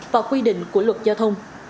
và quy định của luật giao thông